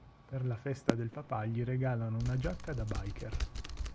Per la festa del papà gli regalano una giacca da biker.